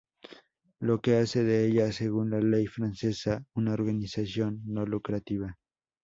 Lo que hace de ella, según la ley francesa, una organización no lucrativa.